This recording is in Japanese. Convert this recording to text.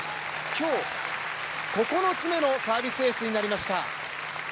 今日９つ目のサービスエースになりました。